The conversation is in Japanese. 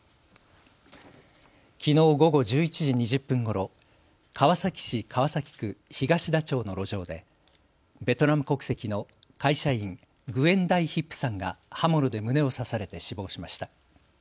きのう午後１１時２０分ごろ、川崎市川崎区東田町の路上でベトナム国籍の会社員、グエン・ダイ・ヒップさんが刃物で胸を刺されて死亡しました。